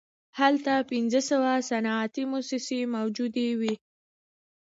هلته پنځه سوه صنعتي موسسې موجودې وې